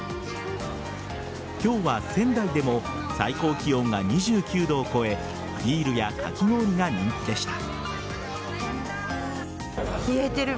今日は仙台でも最高気温が２９度を超えビールやかき氷が人気でした。